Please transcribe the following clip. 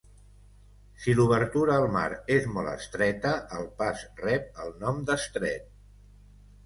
Si l'obertura al mar és molt estreta, el pas rep el nom d'estret.